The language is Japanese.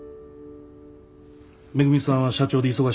めぐみさんは社長で忙しいやろ。